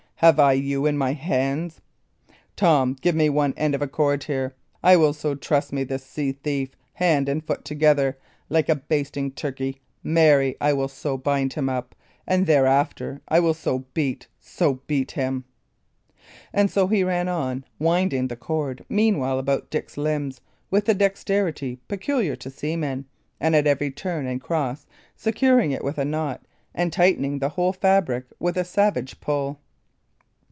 have I you in my hands? Tom, give me one end of a cord here; I will so truss me this sea thief, hand and foot together, like a basting turkey marry, I will so bind him up and thereafter I will so beat so beat him!" And so he ran on, winding the cord meanwhile about Dick's limbs with the dexterity peculiar to seamen, and at every turn and cross securing it with a knot, and tightening the whole fabric with a savage pull.